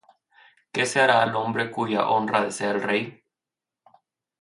¿Qué se hará al hombre cuya honra desea el rey?